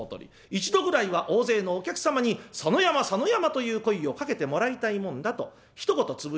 一度ぐらいは大勢のお客様に「佐野山佐野山」という声をかけてもらいたいもんだとひと言つぶやいたこの言葉。